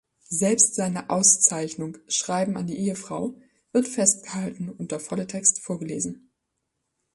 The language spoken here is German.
Selbst seine Auszeichnung „Schreiben an die Ehefrau“ wird festgehalten und der volle Text vorgelesen.